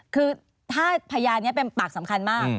คือถ้าพยานนี้เป็นปากสำคัญมาก